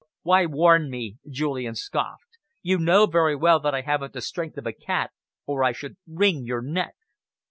"Why warn me?" Julian scoffed. "You know very well that I haven't the strength of a cat, or I should wring your neck."